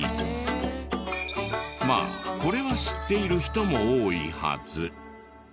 まあこれは知っている人も多いはず。